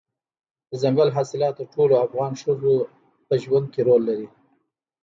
دځنګل حاصلات د ټولو افغان ښځو په ژوند کې رول لري.